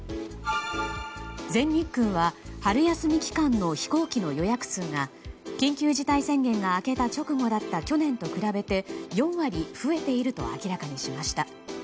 全日空は春休み期間の飛行機の予約数が緊急事態宣言が明けた直後だった去年と比べて４割増えていると明らかにしました。